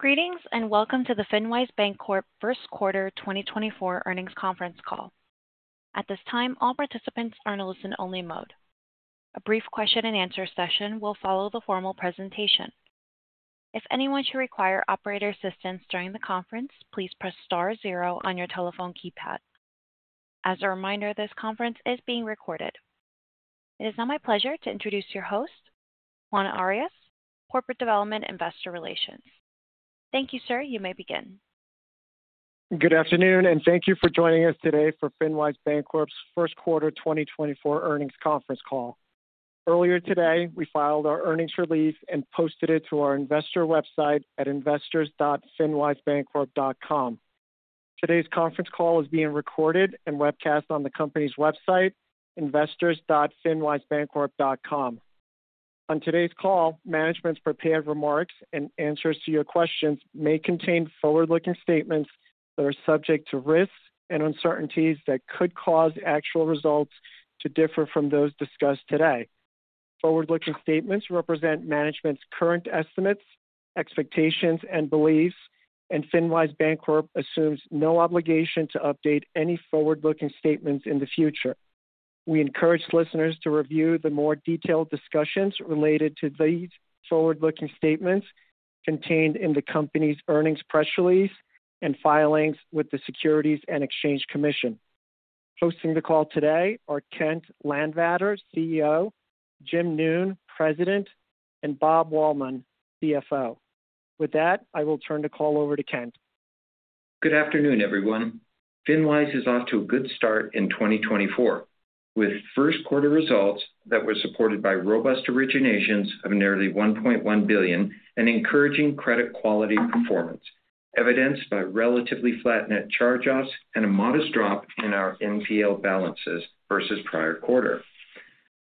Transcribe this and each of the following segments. Greetings and welcome to the FinWise Bancorp first quarter 2024 earnings conference call. At this time, all participants are in a listen-only mode. A brief question-and-answer session will follow the formal presentation. If anyone should require operator assistance during the conference, please press star 0 on your telephone keypad. As a reminder, this conference is being recorded. It is now my pleasure to introduce your host, Juan Arias, Corporate Development Investor Relations. Thank you, sir. You may begin. Good afternoon, and thank you for joining us today for FinWise Bancorp's first quarter 2024 earnings conference call. Earlier today, we filed our earnings release and posted it to our investor website at investors.finwisebancorp.com. Today's conference call is being recorded and webcast on the company's website, investors.finwisebancorp.com. On today's call, management's prepared remarks and answers to your questions may contain forward-looking statements that are subject to risks and uncertainties that could cause actual results to differ from those discussed today. Forward-looking statements represent management's current estimates, expectations, and beliefs, and FinWise Bancorp assumes no obligation to update any forward-looking statements in the future. We encourage listeners to review the more detailed discussions related to these forward-looking statements contained in the company's earnings press release and filings with the Securities and Exchange Commission. Hosting the call today are Kent Landvatter, CEO; Jim Noone, President; and Bob Wahlman, CFO. With that, I will turn the call over to Kent. Good afternoon, everyone. FinWise is off to a good start in 2024 with first quarter results that were supported by robust originations of nearly $1.1 billion and encouraging credit quality performance, evidenced by relatively flat net charge-offs and a modest drop in our NPL balances versus prior quarter.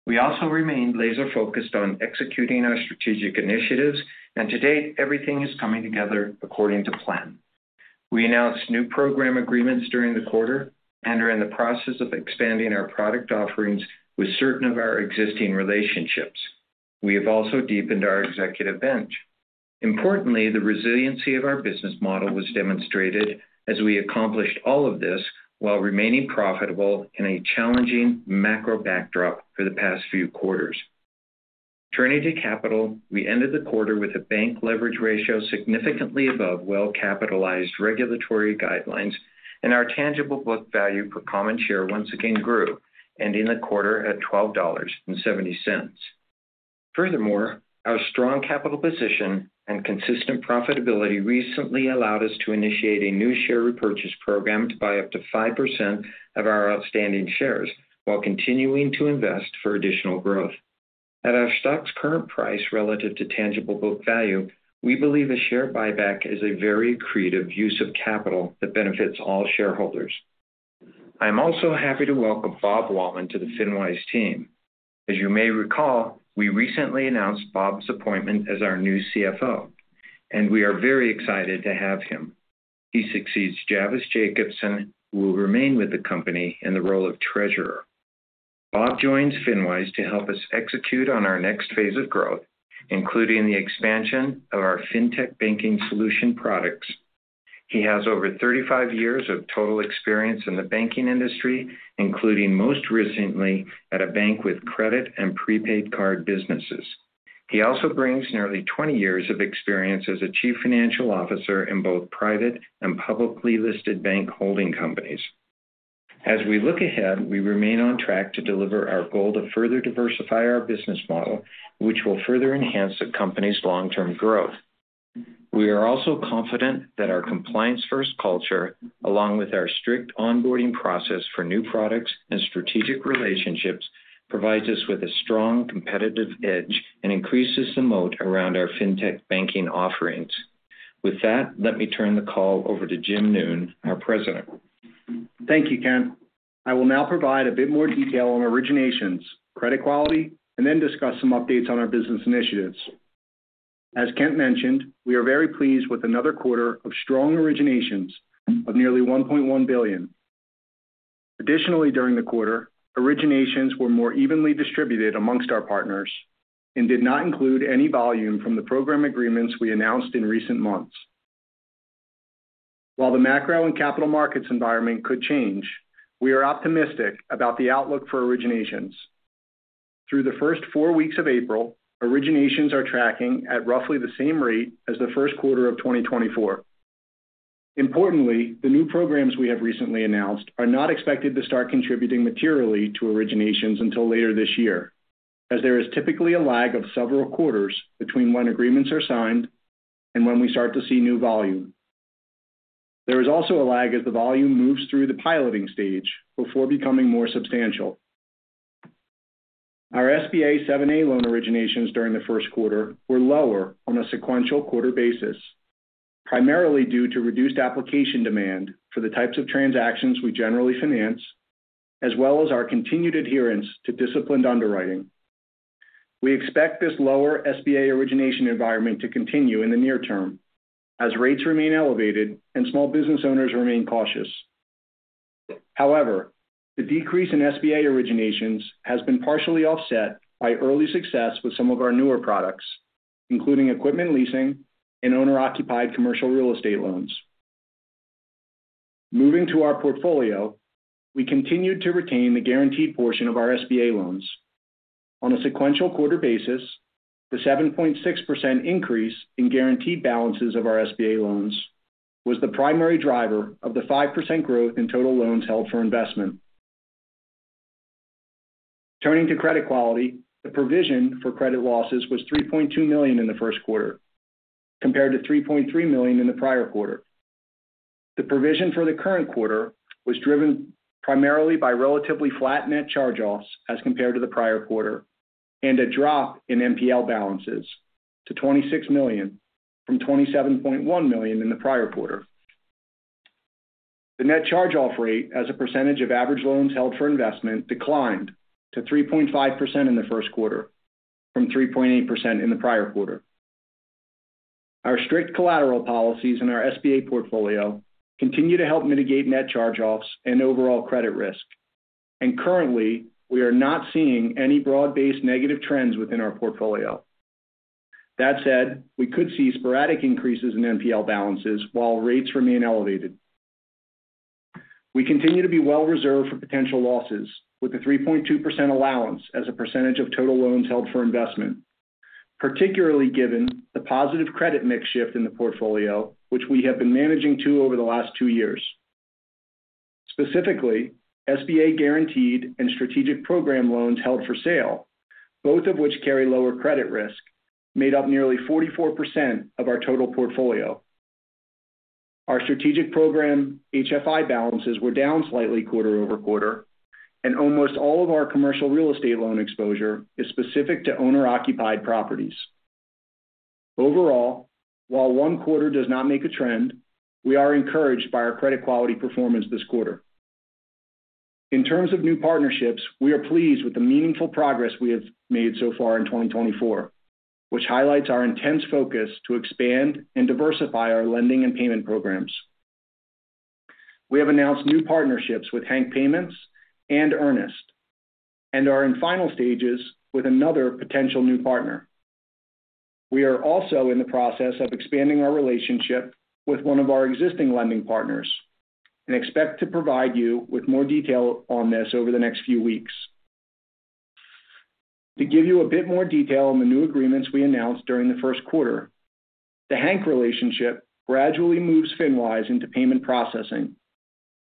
We also remained laser-focused on executing our strategic initiatives, and to date, everything is coming together according to plan. We announced new program agreements during the quarter and are in the process of expanding our product offerings with certain of our existing relationships. We have also deepened our executive bench. Importantly, the resiliency of our business model was demonstrated as we accomplished all of this while remaining profitable in a challenging macro backdrop for the past few quarters. Turning to capital, we ended the quarter with a bank leverage ratio significantly above well-capitalized regulatory guidelines, and our tangible book value per common share once again grew, ending the quarter at $12.70. Furthermore, our strong capital position and consistent profitability recently allowed us to initiate a new share repurchase program to buy up to 5% of our outstanding shares while continuing to invest for additional growth. At our stock's current price relative to tangible book value, we believe a share buyback is a very accretive use of capital that benefits all shareholders. I am also happy to welcome Bob Wahlman to the FinWise team. As you may recall, we recently announced Bob's appointment as our new CFO, and we are very excited to have him. He succeeds Javvis Jacobson, who will remain with the company in the role of treasurer. Bob joins FinWise to help us execute on our next phase of growth, including the expansion of our fintech banking solution products. He has over 35 years of total experience in the banking industry, including most recently at a bank with credit and prepaid card businesses. He also brings nearly 20 years of experience as a chief financial officer in both private and publicly listed bank holding companies. As we look ahead, we remain on track to deliver our goal to further diversify our business model, which will further enhance the company's long-term growth. We are also confident that our compliance-first culture, along with our strict onboarding process for new products and strategic relationships, provides us with a strong competitive edge and increases the moat around our fintech banking offerings. With that, let me turn the call over to Jim Noone, our president. Thank you, Kent. I will now provide a bit more detail on originations, credit quality, and then discuss some updates on our business initiatives. As Kent mentioned, we are very pleased with another quarter of strong originations of nearly $1.1 billion. Additionally, during the quarter, originations were more evenly distributed amongst our partners and did not include any volume from the program agreements we announced in recent months. While the macro and capital markets environment could change, we are optimistic about the outlook for originations. Through the first four weeks of April, originations are tracking at roughly the same rate as the first quarter of 2024. Importantly, the new programs we have recently announced are not expected to start contributing materially to originations until later this year, as there is typically a lag of several quarters between when agreements are signed and when we start to see new volume. There is also a lag as the volume moves through the piloting stage before becoming more substantial. Our SBA 7(a) loan originations during the first quarter were lower on a sequential quarter basis, primarily due to reduced application demand for the types of transactions we generally finance, as well as our continued adherence to disciplined underwriting. We expect this lower SBA origination environment to continue in the near term as rates remain elevated and small business owners remain cautious. However, the decrease in SBA originations has been partially offset by early success with some of our newer products, including equipment leasing and owner-occupied commercial real estate loans. Moving to our portfolio, we continued to retain the guaranteed portion of our SBA loans. On a sequential quarter basis, the 7.6% increase in guaranteed balances of our SBA loans was the primary driver of the 5% growth in total loans held for investment. Turning to credit quality, the provision for credit losses was $3.2 million in the first quarter, compared to $3.3 million in the prior quarter. The provision for the current quarter was driven primarily by relatively flat net charge-offs as compared to the prior quarter and a drop in NPL balances to $26 million from $27.1 million in the prior quarter. The net charge-off rate, as a percentage of average loans held for investment, declined to 3.5% in the first quarter from 3.8% in the prior quarter. Our strict collateral policies in our SBA portfolio continue to help mitigate net charge-offs and overall credit risk, and currently, we are not seeing any broad-based negative trends within our portfolio. That said, we could see sporadic increases in NPL balances while rates remain elevated. We continue to be well-reserved for potential losses with a 3.2% allowance as a percentage of total loans held for investment, particularly given the positive credit mix shift in the portfolio, which we have been managing to over the last two years. Specifically, SBA guaranteed and strategic program loans held for sale, both of which carry lower credit risk, made up nearly 44% of our total portfolio. Our strategic program HFI balances were down slightly quarter-over-quarter, and almost all of our commercial real estate loan exposure is specific to owner-occupied properties. Overall, while one quarter does not make a trend, we are encouraged by our credit quality performance this quarter. In terms of new partnerships, we are pleased with the meaningful progress we have made so far in 2024, which highlights our intense focus to expand and diversify our lending and payment programs. We have announced new partnerships with Hank Payments and Earnest and are in final stages with another potential new partner. We are also in the process of expanding our relationship with one of our existing lending partners and expect to provide you with more detail on this over the next few weeks. To give you a bit more detail on the new agreements we announced during the first quarter, the Hank relationship gradually moves FinWise into payment processing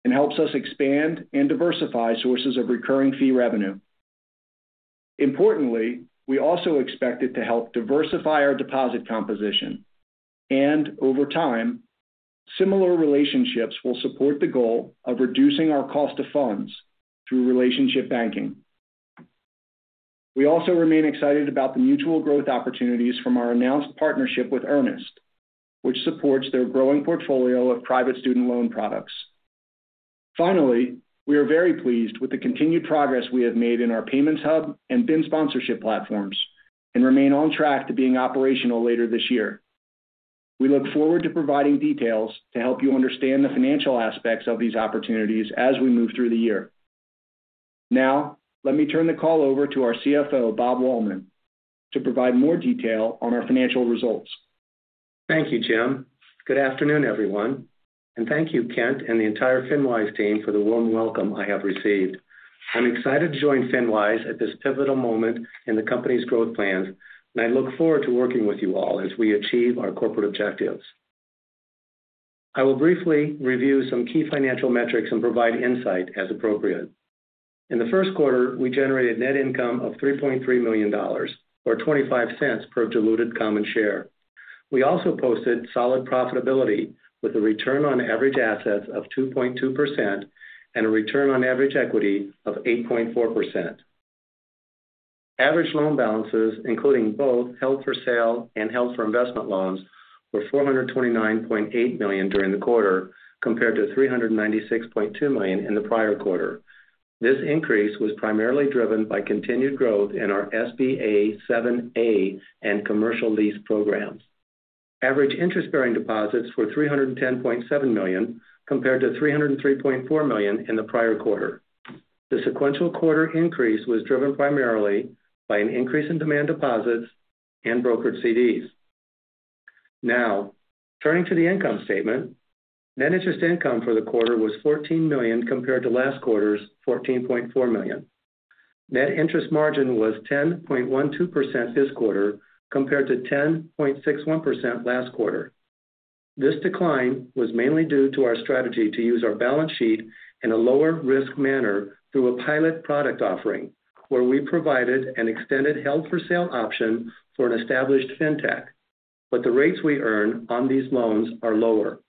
and helps us expand and diversify sources of recurring fee revenue. Importantly, we also expect it to help diversify our deposit composition, and over time, similar relationships will support the goal of reducing our cost of funds through relationship banking. We also remain excited about the mutual growth opportunities from our announced partnership with Earnest, which supports their growing portfolio of private student loan products. Finally, we are very pleased with the continued progress we have made in our Payments Hub and BIN sponsorship platforms and remain on track to being operational later this year. We look forward to providing details to help you understand the financial aspects of these opportunities as we move through the year. Now, let me turn the call over to our CFO, Bob Wahlman, to provide more detail on our financial results. Thank you, Jim. Good afternoon, everyone. Thank you, Kent and the entire FinWise team, for the warm welcome I have received. I'm excited to join FinWise at this pivotal moment in the company's growth plans, and I look forward to working with you all as we achieve our corporate objectives. I will briefly review some key financial metrics and provide insight as appropriate. In the first quarter, we generated net income of $3.3 million or $0.25 per diluted common share. We also posted solid profitability with a return on average assets of 2.2% and a return on average equity of 8.4%. Average loan balances, including both held-for-sale and held-for-investment loans, were $429.8 million during the quarter compared to $396.2 million in the prior quarter. This increase was primarily driven by continued growth in our SBA 7(a) and commercial lease programs. Average interest-bearing deposits were $310.7 million compared to $303.4 million in the prior quarter. The sequential quarter increase was driven primarily by an increase in demand deposits and brokered CDs. Now, turning to the income statement, net interest income for the quarter was $14 million compared to last quarter's $14.4 million. Net interest margin was 10.12% this quarter compared to 10.61% last quarter. This decline was mainly due to our strategy to use our balance sheet in a lower-risk manner through a pilot product offering where we provided an extended held-for-sale option for an established fintech, but the rates we earn on these loans are lower.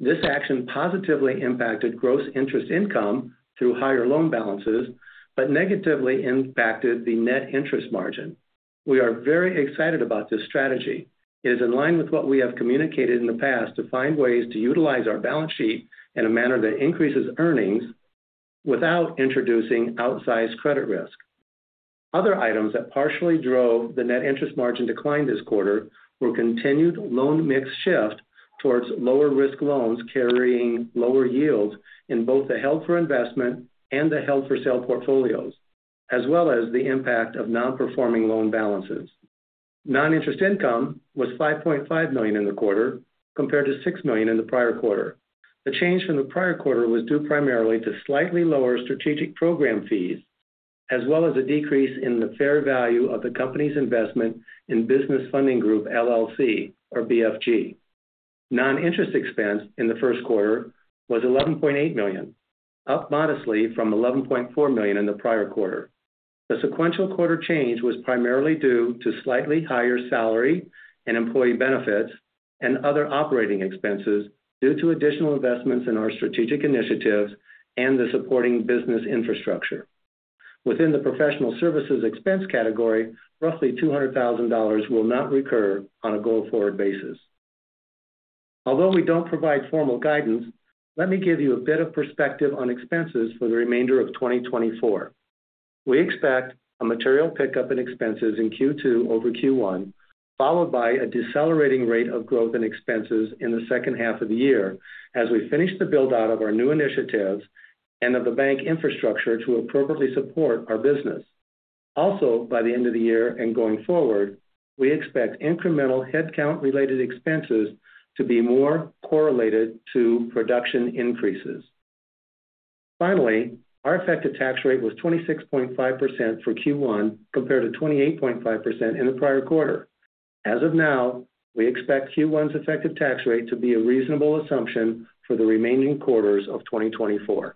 This action positively impacted gross interest income through higher loan balances but negatively impacted the net interest margin. We are very excited about this strategy. It is in line with what we have communicated in the past to find ways to utilize our balance sheet in a manner that increases earnings without introducing outsized credit risk. Other items that partially drove the net interest margin decline this quarter were continued loan mix shift towards lower-risk loans carrying lower yields in both the held-for-investment and the held-for-sale portfolios, as well as the impact of non-performing loan balances. Non-interest income was $5.5 million in the quarter compared to $6 million in the prior quarter. The change from the prior quarter was due primarily to slightly lower strategic program fees, as well as a decrease in the fair value of the company's investment in Business Funding Group LLC or BFG. Non-interest expense in the first quarter was $11.8 million, up modestly from $11.4 million in the prior quarter. The sequential quarter change was primarily due to slightly higher salary and employee benefits and other operating expenses due to additional investments in our strategic initiatives and the supporting business infrastructure. Within the professional services expense category, roughly $200,000 will not recur on a go forward basis. Although we don't provide formal guidance, let me give you a bit of perspective on expenses for the remainder of 2024. We expect a material pickup in expenses in Q2 over Q1, followed by a decelerating rate of growth in expenses in the second half of the year as we finish the build-out of our new initiatives and of the bank infrastructure to appropriately support our business. Also, by the end of the year and going forward, we expect incremental headcount-related expenses to be more correlated to production increases. Finally, our effective tax rate was 26.5% for Q1 compared to 28.5% in the prior quarter. As of now, we expect Q1's effective tax rate to be a reasonable assumption for the remaining quarters of 2024.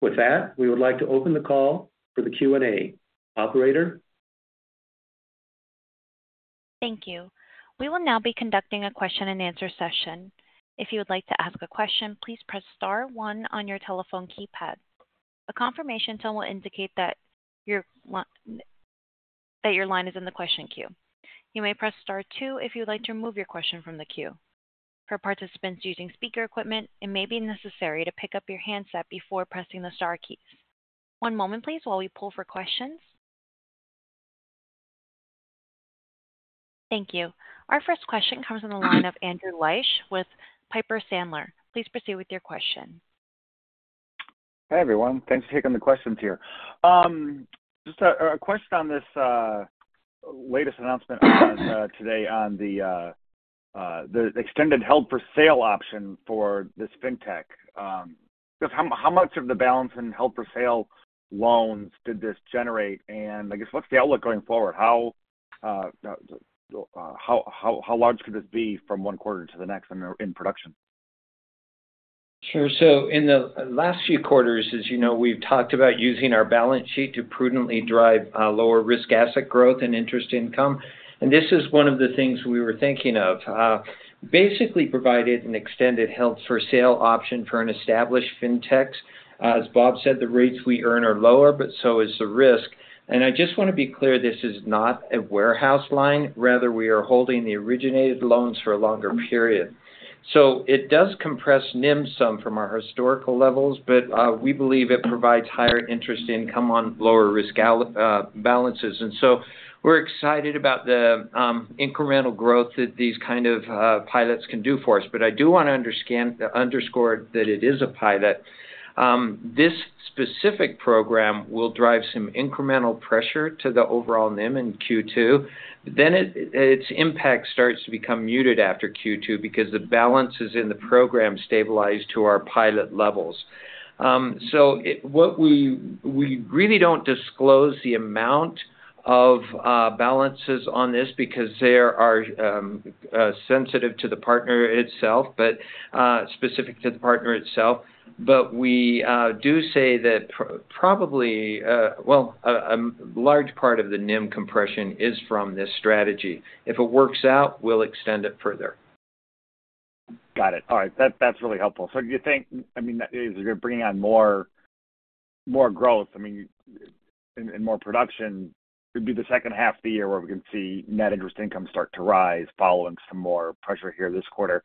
With that, we would like to open the call for the Q&A. Operator. Thank you. We will now be conducting a question-and-answer session. If you would like to ask a question, please press star 1 on your telephone keypad. A confirmation tone will indicate that your line is in the question queue. You may press star 2 if you would like to remove your question from the queue. For participants using speaker equipment, it may be necessary to pick up your handset before pressing the star keys. One moment, please, while we pull for questions. Thank you. Our first question comes in the line of Andrew Liesch with Piper Sandler. Please proceed with your question. Hey, everyone. Thanks for taking the questions here. Just a question on this latest announcement today on the extended held-for-sale option for this fintech. How much of the balance in held-for-sale loans did this generate? And I guess what's the outlook going forward? How large could this be from one quarter to the next in production? Sure. So in the last few quarters, as you know, we've talked about using our balance sheet to prudently drive lower-risk asset growth and interest income. And this is one of the things we were thinking of. Basically, provided an extended held-for-sale option for an established fintech. As Bob said, the rates we earn are lower, but so is the risk. And I just want to be clear, this is not a warehouse line. Rather, we are holding the originated loans for a longer period. So it does compress NIM some from our historical levels, but we believe it provides higher interest income on lower-risk balances. And so we're excited about the incremental growth that these kind of pilots can do for us. But I do want to underscore that it is a pilot. This specific program will drive some incremental pressure to the overall NIM in Q2. Then its impact starts to become muted after Q2 because the balance is in the program stabilized to our pilot levels. So we really don't disclose the amount of balances on this because they are sensitive to the partner itself, but specific to the partner itself. But we do say that probably well, a large part of the NIM compression is from this strategy. If it works out, we'll extend it further. Got it. All right. That's really helpful. So do you think I mean, is it going to bring on more growth, I mean, and more production? It would be the second half of the year where we can see net interest income start to rise following some more pressure here this quarter.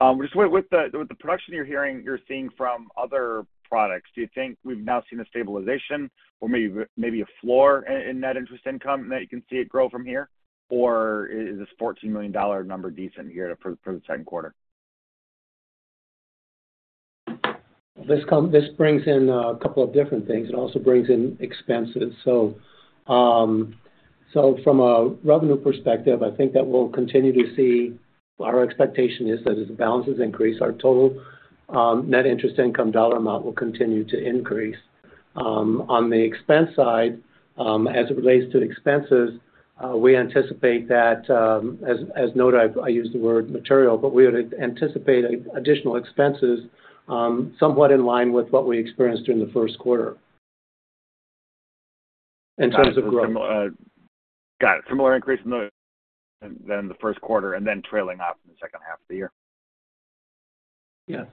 With the production you're seeing from other products, do you think we've now seen a stabilization or maybe a floor in net interest income that you can see it grow from here? Or is this $14 million number decent here for the second quarter? This brings in a couple of different things. It also brings in expenses. So from a revenue perspective, I think that we'll continue to see our expectation is that as the balances increase, our total net interest income dollar amount will continue to increase. On the expense side, as it relates to expenses, we anticipate that as noted, I used the word material, but we would anticipate additional expenses somewhat in line with what we experienced during the first quarter in terms of growth. Got it. Similar increase than the first quarter and then trailing off in the second half of the year. Yes.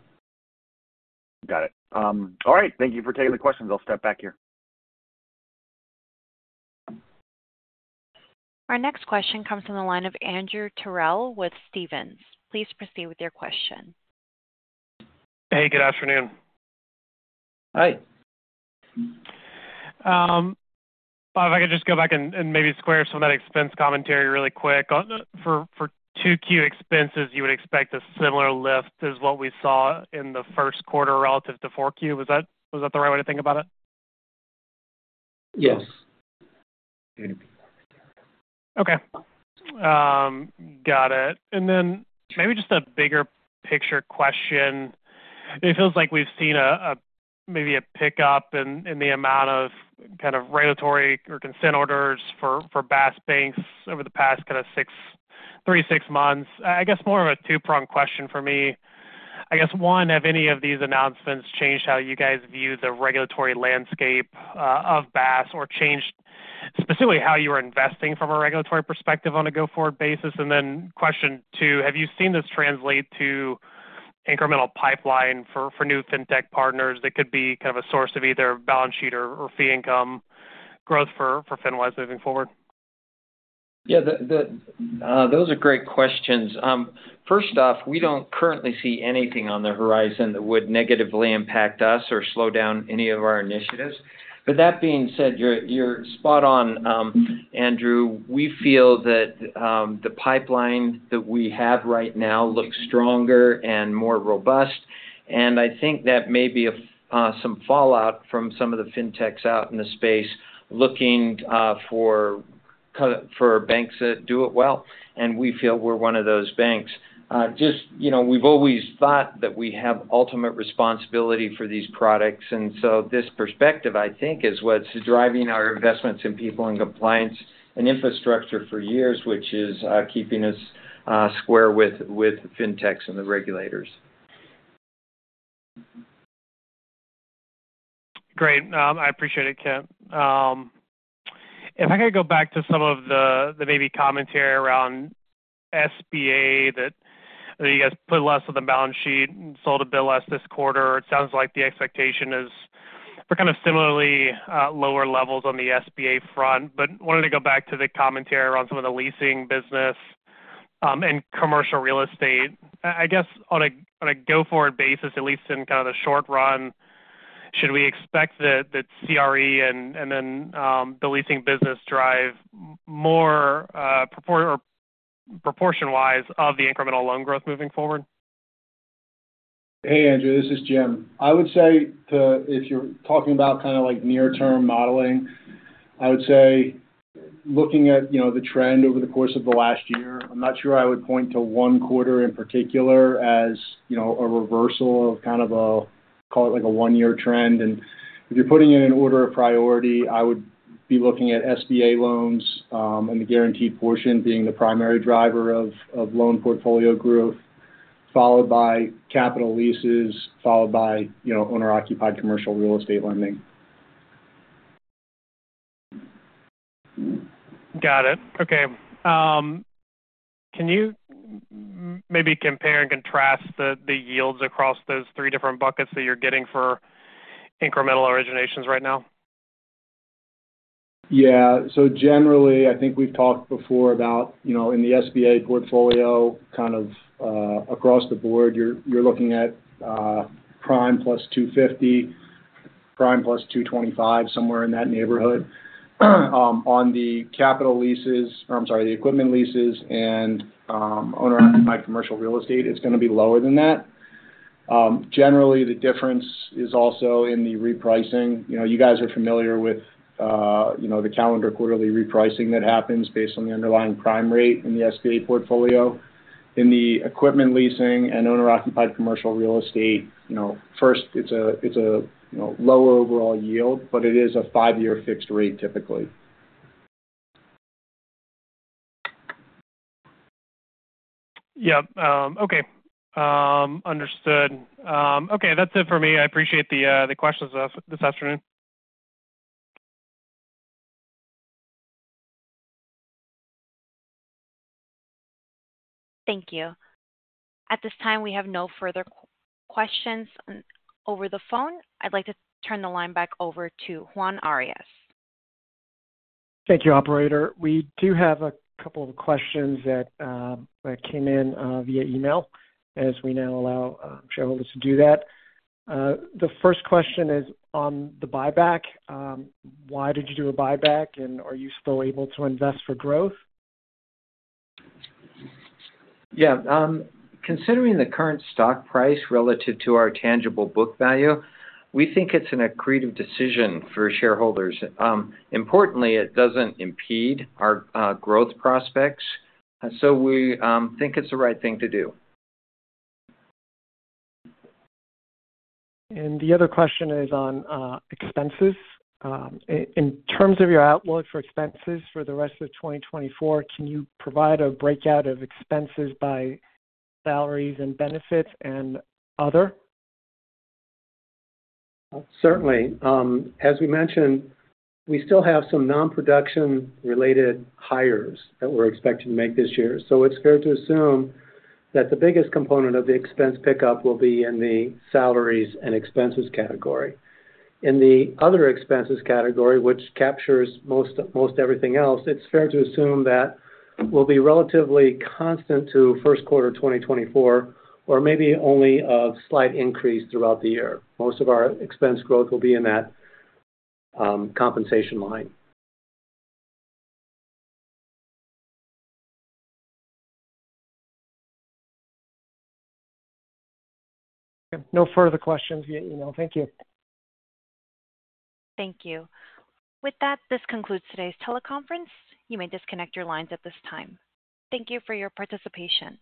Got it. All right. Thank you for taking the questions. I'll step back here. Our next question comes in the line of Andrew Terrell with Stephens. Please proceed with your question. Hey. Good afternoon. Hi. Bob, if I could just go back and maybe square some of that expense commentary really quick. For 2Q expenses, you would expect a similar lift as what we saw in the first quarter relative to 4Q. Was that the right way to think about it? Yes. Okay. Got it. And then maybe just a bigger picture question. It feels like we've seen maybe a pickup in the amount of kind of regulatory or consent orders for BaaS banks over the past kind of 3-6 months. I guess more of a two-pronged question for me. I guess, one, have any of these announcements changed how you guys view the regulatory landscape of BaaS or changed specifically how you were investing from a regulatory perspective on a go-forward basis? And then question two, have you seen this translate to incremental pipeline for new fintech partners that could be kind of a source of either balance sheet or fee income growth for FinWise moving forward? Yeah. Those are great questions. First off, we don't currently see anything on the horizon that would negatively impact us or slow down any of our initiatives. But that being said, you're spot on, Andrew. We feel that the pipeline that we have right now looks stronger and more robust. And I think that may be some fallout from some of the fintechs out in the space looking for banks that do it well. And we feel we're one of those banks. Just we've always thought that we have ultimate responsibility for these products. And so this perspective, I think, is what's driving our investments in people and compliance and infrastructure for years, which is keeping us square with fintechs and the regulators. Great. I appreciate it, Kent. If I could go back to some of the maybe commentary around SBA that you guys put less on the balance sheet and sold a bit less this quarter, it sounds like the expectation is for kind of similarly lower levels on the SBA front. But wanted to go back to the commentary around some of the leasing business and commercial real estate. I guess on a go-forward basis, at least in kind of the short run, should we expect that CRE and then the leasing business drive more proportion-wise of the incremental loan growth moving forward? Hey, Andrew. This is Jim. I would say if you're talking about kind of near-term modeling, I would say looking at the trend over the course of the last year, I'm not sure I would point to one quarter in particular as a reversal of kind of a call it a one-year trend. If you're putting it in order of priority, I would be looking at SBA loans and the guaranteed portion being the primary driver of loan portfolio growth, followed by capital leases, followed by owner-occupied commercial real estate lending. Got it. Okay. Can you maybe compare and contrast the yields across those three different buckets that you're getting for incremental originations right now? Yeah. So generally, I think we've talked before about in the SBA portfolio kind of across the board, you're looking at Prime plus 250, Prime plus 225, somewhere in that neighborhood. On the capital leases or I'm sorry, the equipment leases and owner-occupied commercial real estate, it's going to be lower than that. Generally, the difference is also in the repricing. You guys are familiar with the calendar quarterly repricing that happens based on the underlying prime rate in the SBA portfolio. In the equipment leasing and owner-occupied commercial real estate, first, it's a lower overall yield, but it is a 5-year fixed rate, typically. Yep. Okay. Understood. Okay. That's it for me. I appreciate the questions this afternoon. Thank you. At this time, we have no further questions over the phone. I'd like to turn the line back over to Juan Arias. Thank you, operator. We do have a couple of questions that came in via email as we now allow shareholders to do that. The first question is on the buyback. Why did you do a buyback, and are you still able to invest for growth? Yeah. Considering the current stock price relative to our tangible book value, we think it's an accretive decision for shareholders. Importantly, it doesn't impede our growth prospects. We think it's the right thing to do. The other question is on expenses. In terms of your outlook for expenses for the rest of 2024, can you provide a breakdown of expenses by salaries and benefits and other? Certainly. As we mentioned, we still have some non-production-related hires that we're expected to make this year. So it's fair to assume that the biggest component of the expense pickup will be in the salaries and expenses category. In the other expenses category, which captures most everything else, it's fair to assume that will be relatively constant to first quarter 2024 or maybe only a slight increase throughout the year. Most of our expense growth will be in that compensation line. Okay. No further questions via email. Thank you. Thank you. With that, this concludes today's teleconference. You may disconnect your lines at this time. Thank you for your participation.